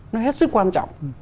nó hết sức quan trọng